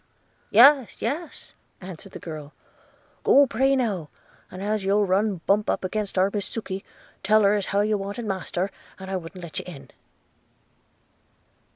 'Yes, yes,' answered the girl – 'Go, pray, now! and as you'll run bump up against our Miss Sukey, tell her as how you wanted master, and I wouldn't let you in.'